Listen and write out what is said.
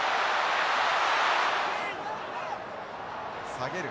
下げる。